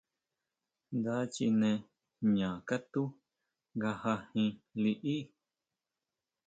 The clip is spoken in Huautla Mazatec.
Nda chine jña katú nga jajín liʼí.